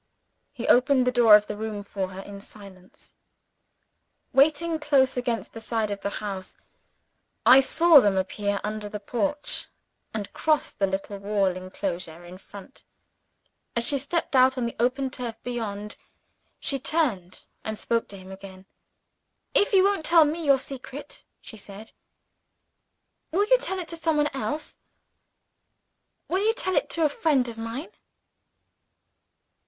He opened the door of the room for her in silence. Waiting close against the side of the house, I saw them appear under the porch, and cross the little walled enclosure in front. As she stepped out on the open turf beyond, she turned, and spoke to him again. "If you won't tell me your secret," she said, "will you tell it to some one else? Will you tell it to a friend of mine?"